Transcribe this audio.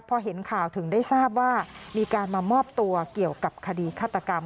พอเห็นข่าวถึงได้ทราบว่ามีการมามอบตัวเกี่ยวกับคดีฆาตกรรม